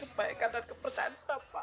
terima kasih pak